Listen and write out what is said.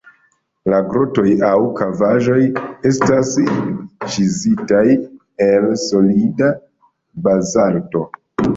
La grotoj aŭ kavaĵoj estas ĉizitaj el solida bazalto.